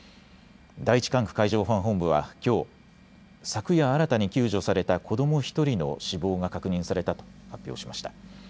第１管区海上保安本部はきょう、昨夜、新たに救助された子ども１人の死亡が確認されたと発表しました。